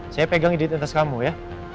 saya pegang identitas kamu ya